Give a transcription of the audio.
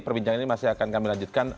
perbincangan ini masih akan kami lanjutkan